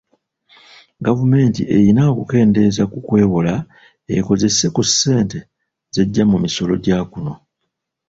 Gavumenti eyina okukeendeeza ku kwewola ekozese ku ssente z'ejja mu misolo gya kuno.